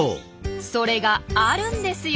それがあるんですよ